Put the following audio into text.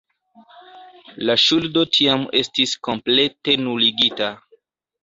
La ŝuldo tiam estis komplete nuligita.